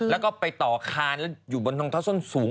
แล้วก็ไปต่อคาร์นอยู่บนท้องท่าส้นสูง